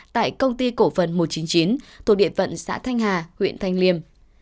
tại công ty cổ phần một trăm chín mươi chín thuộc địa phận xã thanh hà huyện thanh liêm